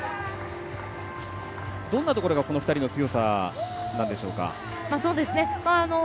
どんなところがこの２人の強さだったんでしょうか？